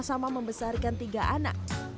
sama membesarkan tiga anaknya